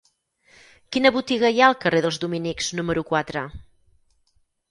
Quina botiga hi ha al carrer dels Dominics número quatre?